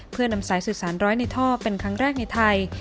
เพื่อนำสายสื่อสารร้อยในท่อเป็นครั้งแรกในไทย